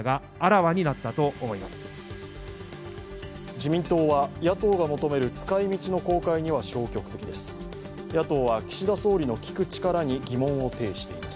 自民党は野党が求める使い道の公開には消極的です。